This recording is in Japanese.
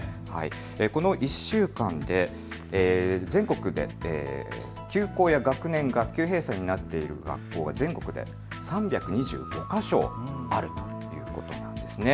この１週間で全国で休校や学年・学級閉鎖になっている学校が全国で３２５か所あるということなんです。